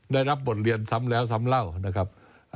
ได้รับบทเรียนซ้ำแล้วซ้ำเล่านะครับ